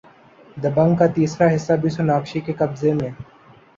دبنگ کا تیسرا حصہ بھی سوناکشی کے قبضے میں